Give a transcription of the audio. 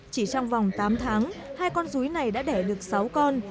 chỉ trong vòng tám tháng hai con rúi này đã đẻ được sáu con